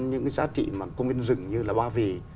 những giá trị mà công viên rừng như là ba vị